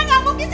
gak mungkin sih